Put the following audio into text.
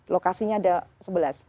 lokasinya ada sebelas